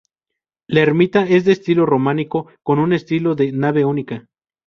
La ermita es de estilo románico con un estilo de "nave única".